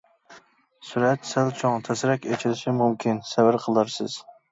سۈرەت سەل چوڭ، تەسرەك ئېچىلىشى مۇمكىن، سەۋر قىلارسىز.